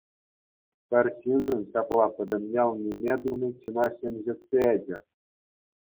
Пӗр ҫыншӑн ҫапла пӗтӗм ял ниме туни чуна ҫемҫетсе ячӗ.